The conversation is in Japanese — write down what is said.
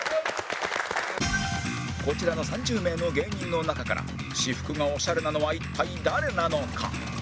こちらの３０名の芸人の中から私服がオシャレなのは一体誰なのか？